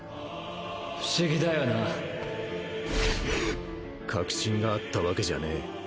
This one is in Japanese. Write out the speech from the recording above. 不思議だよな確信があったわけじゃねえ。